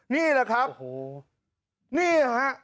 นี่แหละครับนี่ฮะ